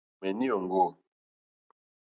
Ŋmèní òŋɡô.